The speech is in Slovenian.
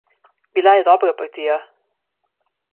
Bila je dobra partija.